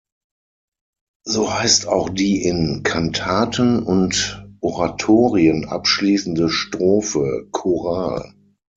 So heißt auch die in Kantaten und Oratorien abschließende Strophe „Choral“.